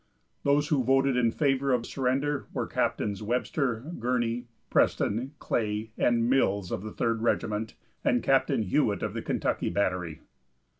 Those who voted in favor of surrender were Captains Webster, Gurnee, Preston, Clay and Mills of the Third Regiment, and Captain Hewitt of the Kentucky Battery.